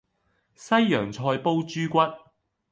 西洋菜煲豬骨